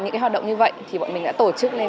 những hoạt động như vậy thì bọn mình đã tổ chức lên